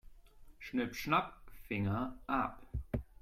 Schnipp-schnapp, Finger ab.